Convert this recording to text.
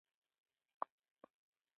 بویران په سوېلي افریقا کې مېشت هالنډیان وو.